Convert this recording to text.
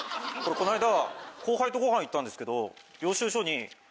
この間後輩とご飯行ったんです。